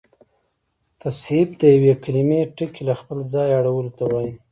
تصحیف د یوې کليمې ټکي له خپله ځایه اړولو ته وا يي.